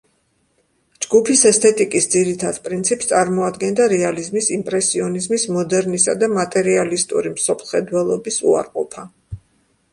ჯგუფის ესთეტიკის ძირითად პრინციპს წარმოადგენდა რეალიზმის, იმპრესიონიზმის, მოდერნისა და მატერიალისტური მსოფლმხედველობის უარყოფა.